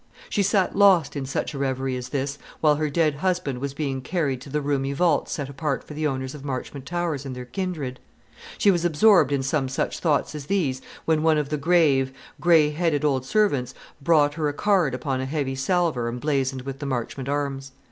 She sat lost in such a reverie as this while her dead husband was being carried to the roomy vault set apart for the owners of Marchmont Towers and their kindred; she was absorbed in some such thoughts as these, when one of the grave, grey headed old servants brought her a card upon a heavy salver emblazoned with the Marchmont arms.